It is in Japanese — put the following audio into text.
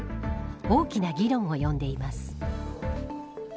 大きな議論を呼んでいます。